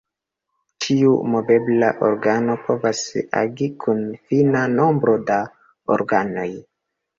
Ĉiu movebla organo povas agi kun fina nombro da organoj.